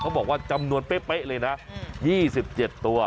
บอกว่าจำนวนเป๊ะเลยนะ๒๗ตัว